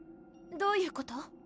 どういうこと？